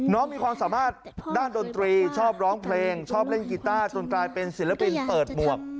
มีความสามารถด้านดนตรีชอบร้องเพลงชอบเล่นกีต้าจนกลายเป็นศิลปินเปิดหมวก